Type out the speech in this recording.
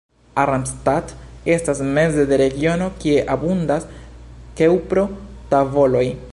Arnstadt estas meze de regiono kie abundas keŭpro-tavoloj.